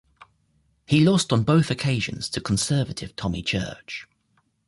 He lost on both occasions to Conservative Tommy Church.